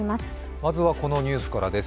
まずはこのニュースからです。